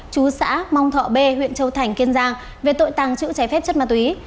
chú xã mong thọ b huyện châu thành kiên giang về tội tàng trữ trái phép chất ma túy